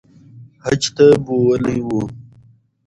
حج ته بوولي وو